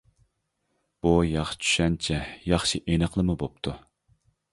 بۇ ياخشى چۈشەنچە، ياخشى ئېنىقلىما بوپتۇ.